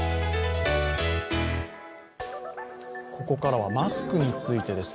ここからはマスクについてです。